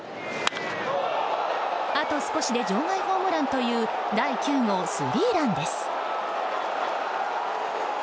あと少しで場外ホームランという第９号スリーランです。